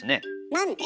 なんで？